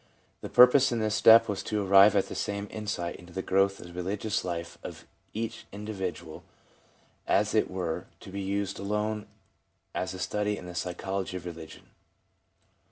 The purpose in this step was to arrive at the same insight into the growth of the religious life of each individual as if it were to be used alone as a study in the psychology of religion.